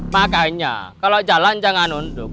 makanya kalau jalan jangan nunduk